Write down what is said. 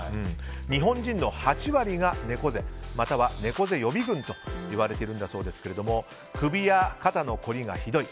日本人の８割が猫背または猫背予備軍と言われているんだそうですが首や肩のこりがひどい。